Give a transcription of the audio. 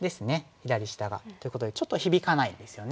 左下が。っていうことでちょっと響かないですよね。